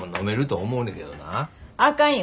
あかんよ。